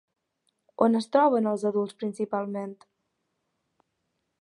On es troben els adults principalment?